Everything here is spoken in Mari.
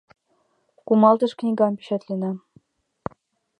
Кумалтыш книгам печатлена.